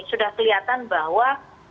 sudah kelihatan bahwa